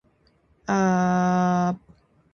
Menahan jerat ditempat genting